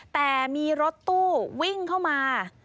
แต่มีรถตู้วิ่งเข้ามา